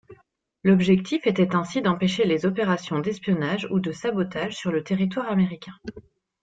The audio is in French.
L'objectif était ainsi d'empêcher les opérations d'espionnage ou de sabotage sur le territoire américain.